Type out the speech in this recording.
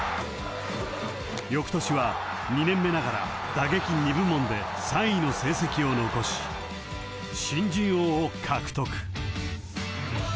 ［よくとしは２年目ながら打撃２部門で３位の成績を残し新人王を獲得］